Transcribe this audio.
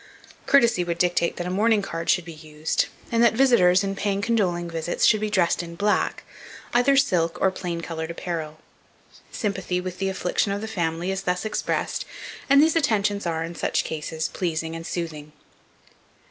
Courtesy would dictate that a mourning card should be used, and that visitors, in paying condoling visits, should be dressed in black, either silk or plain coloured apparel. Sympathy with the affliction of the family, is thus expressed, and these attentions are, in such cases, pleasing and soothing.